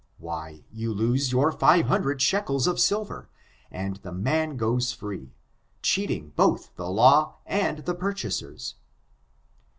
Why, you lose your five hundred shekels of silver, and the man goes free, cheating both the law and the pur chasers.